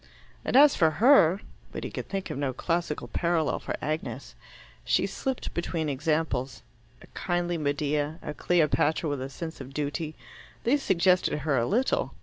"And as for her !" But he could think of no classical parallel for Agnes. She slipped between examples. A kindly Medea, a Cleopatra with a sense of duty these suggested her a little.